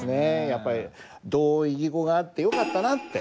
やっぱり同音異義語があってよかったなって。